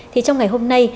thì trong ngày hôm nay